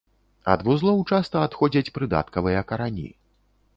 Ад вузлоў часта адходзяць прыдаткавыя карані.